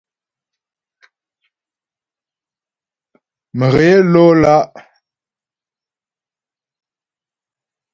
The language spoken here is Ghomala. Mghě ló lá'.